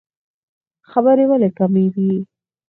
خبرې ولې کمې کړو؟